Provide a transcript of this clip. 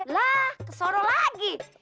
lah ke soro lagi